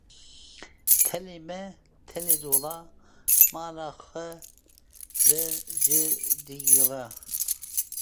Tê malê, tê dora mala xwe li xaniyê xwe digere.